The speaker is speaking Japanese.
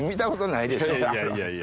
いやいや。